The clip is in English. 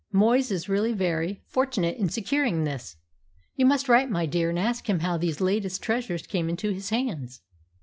Moyes is really very fortunate in securing this. You must write, my dear, and ask him how these latest treasures came into his hands."